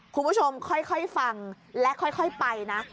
คุณผู้ชมค่อยฟังและค่อยไปนะ